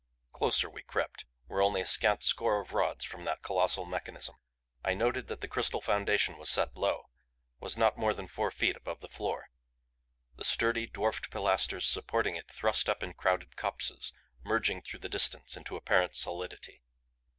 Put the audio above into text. Closer we crept were only a scant score of rods from that colossal mechanism. I noted that the crystal foundation was set low; was not more than four feet above the floor. The sturdy, dwarfed pilasters supporting it thrust up in crowded copses, merging through distance into apparent solidity.